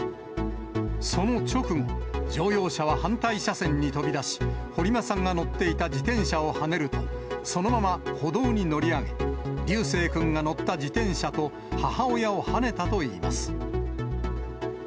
その直後、乗用車は反対車線に飛び出し、堀間さんが乗っていた自転車をはねると、そのまま歩道に乗り上げ、琉正くんが乗った自転車と母親をはねたといいます。